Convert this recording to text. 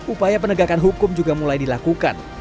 upaya penegakan hukum juga mulai dilakukan